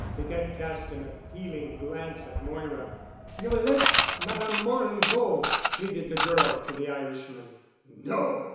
Piquette cast an appealing glance at Moira. "You will let Madame Morin go," pleaded the girl to the Irishman. "No!"